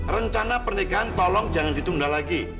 rencana pernikahan tolong jangan ditunda lagi